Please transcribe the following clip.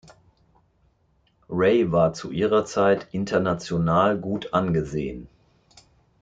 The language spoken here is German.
Ray war zu ihrer Zeit international gut angesehen.